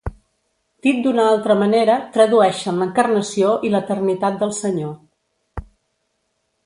Dit d'una altra manera, tradueixen l'encarnació i l'eternitat del Senyor.